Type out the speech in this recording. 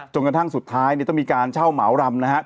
กระทั่งสุดท้ายเนี่ยต้องมีการเช่าเหมารำนะครับ